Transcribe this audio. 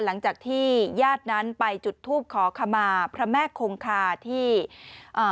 หลังจากที่ญาตินั้นไปจุดทูปขอขมาพระแม่คงคาที่อ่า